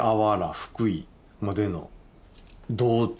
福井までの道中を。